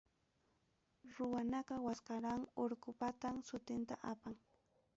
Ruwanaqa, Waskarán urqupatam sutinta apan.